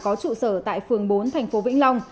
có trụ sở tại phường bốn thành phố vĩnh long